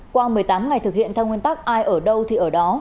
qua một mươi tám ngày thực hiện theo nguyên tắc ai ở đâu thì ở đó